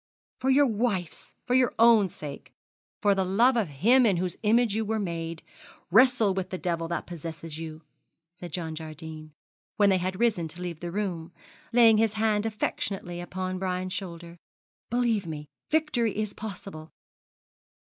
'For your wife's for your own sake for the love of Him in whose image you were made wrestle with the devil that possesses you,' said John Jardine, when they had risen to leave the room, laying his hand affectionately upon Brian's shoulder. 'Believe me, victory is possible.'